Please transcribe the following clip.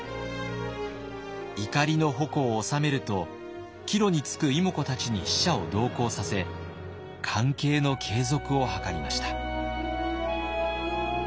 怒りの矛を収めると帰路につく妹子たちに使者を同行させ関係の継続を図りました。